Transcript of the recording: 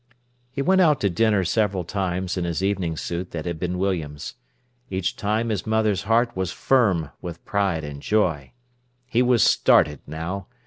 He went out to dinner several times in his evening suit that had been William's. Each time his mother's heart was firm with pride and joy. He was started now.